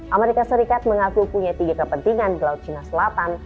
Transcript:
amerika serikat mengaku punya tiga kepentingan di laut cina selatan